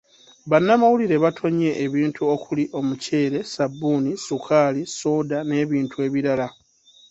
Bannamawulire batonye ebintu okuli; Omuceere, Ssabbuuni, ssukaali, ssooda n'ebintu ebirala.